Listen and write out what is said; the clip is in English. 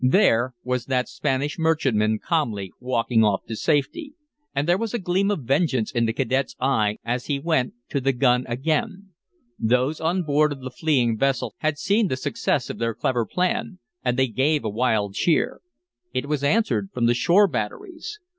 There was that Spanish merchantman calmly walking off to safety. And there was a gleam of vengeance in the cadet's eye as he went to the gun again. Those on board of the fleeing vessel had seen the success of their clever plan and they gave a wild cheer. It was answered from the shore batteries.